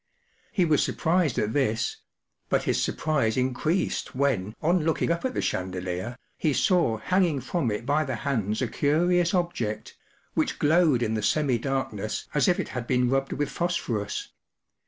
He was surprised at this ; but his surprise increased when, on looking up at the chandelier, he saw hanging from it by the hands a curious object, which glowed in the semi darkness as if it had been rubbed with phosphorus.